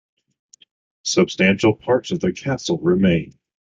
Substantial parts of the castle remain.